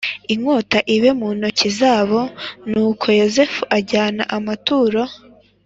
inkota ibe mu ntoki zaboNuko Yozefu ajyana amaturo